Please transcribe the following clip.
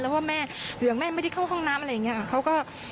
หรือแม่ไม่ได้เข้าห้องน้ำอะไรอย่างนี้